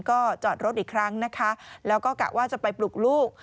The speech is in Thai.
ก็จอดรถอีกครั้งนะคะแล้วก็กะว่าจะไปปลุกลูก